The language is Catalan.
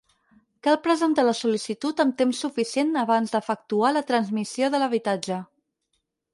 Cal presentar la sol·licitud amb temps suficient abans d'efectuar la transmissió de l'habitatge.